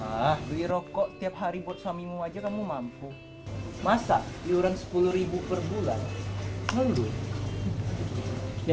ah duit rokok tiap hari buat suamimu aja kamu mampu masa liuran rp sepuluh perbulan nunggu ya